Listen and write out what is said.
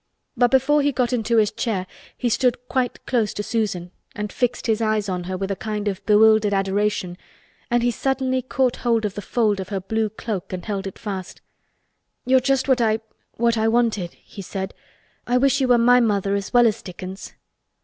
But before he got into his chair he stood quite close to Susan and fixed his eyes on her with a kind of bewildered adoration and he suddenly caught hold of the fold of her blue cloak and held it fast. "You are just what I—what I wanted," he said. "I wish you were my mother—as well as Dickon's!"